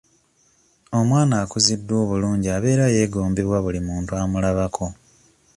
Omwana akuziddwa obulungi abeera yeegombebwa buli muntu amulabako.